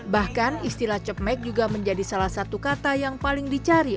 bahkan istilah cemek juga menjadi salah satu kata yang paling dicari